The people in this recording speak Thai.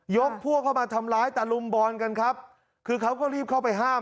พวกเข้ามาทำร้ายตะลุมบอลกันครับคือเขาก็รีบเข้าไปห้าม